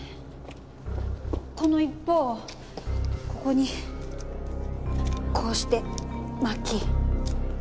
この一方をここにこうして巻き。